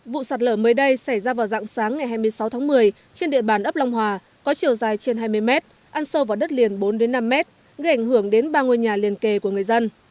vụ sạt lở mới đây xảy ra vào dạng sáng ngày hai mươi sáu tháng một mươi trên địa bàn ấp long hòa có chiều dài trên hai mươi mét ăn sâu vào đất liền bốn năm mét gây ảnh hưởng đến ba ngôi nhà liên kề của người dân